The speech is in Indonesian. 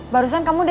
barusan kamu udah